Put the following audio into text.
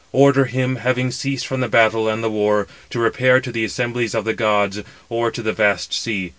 Order him, having ceased from the battle and the war, to repair to the assemblies of the gods, or to the vast sea.